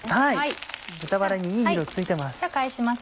豚バラにいい色ついてます。